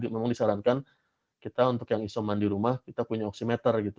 memang disarankan kita untuk yang isoman di rumah kita punya oksimeter gitu